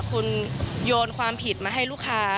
คุณโยนความผิดมาให้ลูกค้า